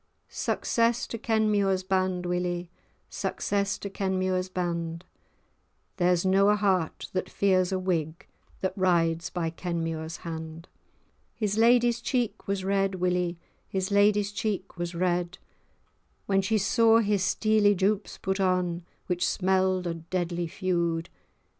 Success to Kenmure's band, Willie! Success to Kenmure's band! There's no a heart that fears a Whig, That rides by Kenmure's hand. His lady's cheek was red, Willie, His lady's cheek was red, When she saw his steely jupes[#] put on, Which smell'd o' deadly feud.